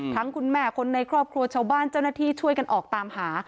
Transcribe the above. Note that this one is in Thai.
คุณแม่คนในครอบครัวชาวบ้านเจ้าหน้าที่ช่วยกันออกตามหา